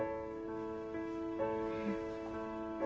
うん。